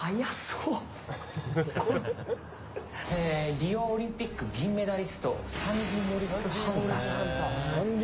リオオリンピック銀メダリストサンディ・モリスハンターさん。